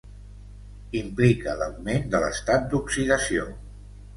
Implica l'augment de l'estat d'oxidació.